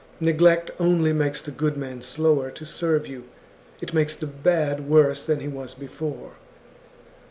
Neglect only makes the good man slower to serve you, it makes the bad worse than he was before.